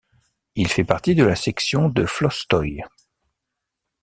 Il fait partie de la section de Flostoy.